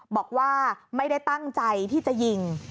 บอกว่าไม่ได้ตั้งใจที่จะยิง